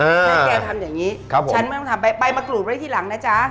อ่าถ้าแกทำอย่างงี้ครับผมฉันไม่ต้องทำใบใบมากรูดไว้ทีหลังนะจ๊ะ